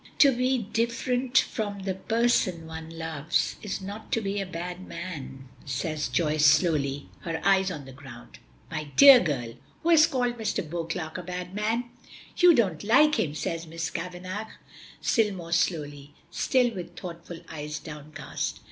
"To be different from the person one loves is not to be a bad man," says Joyce slowly, her eyes on the ground. "My dear girl, who has called Mr. Beauclerk a bad man?" "You don't like him," says Miss Kavanagh, still more slowly, still with thoughtful eyes downcast.